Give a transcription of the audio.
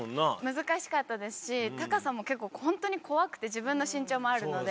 難しかったですし高さも結構本当に怖くて自分の身長もあるので。